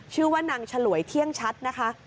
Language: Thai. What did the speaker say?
ชื่อว่านางฉลวยเที่ยงชัดนะคะ